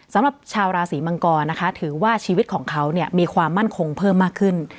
สำหรับชาวราศีมังกรนะคะถือว่าชีวิตของเขาเนี่ยมีความมั่นคงเพิ่มมากขึ้น